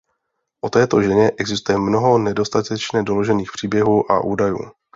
O této ženě existuje mnoho nedostatečně doložených příběhů a údajů.